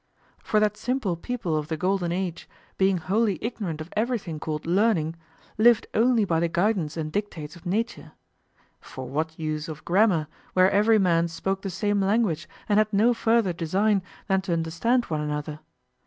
For that simple people of the golden age, being wholly ignorant of everything called learning, lived only by the guidance and dictates of nature; for what use of grammar, where every man spoke the same language and had no further design than to understand one another?